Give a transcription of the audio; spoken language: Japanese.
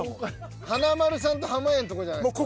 華丸さんと濱家のとこじゃないですか？